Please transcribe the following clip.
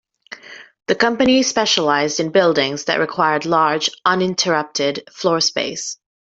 The company specialized in buildings that required large, uninterrupted floor space.